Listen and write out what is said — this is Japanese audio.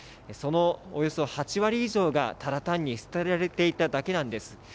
そのおよそ８割以上がただ単に捨てられていただけなんです。